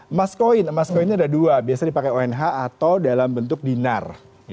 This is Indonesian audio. emas koin emas koin ini ada dua biasanya dipakai onh atau dalam bentuk dinar